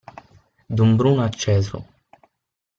D'un bruno acceso.